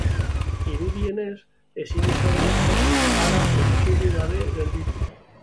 Dirudienez, ezin izan da hara itzuli gabe gelditu.